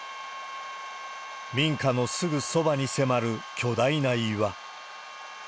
民家のすぐそばに迫る巨大な岩。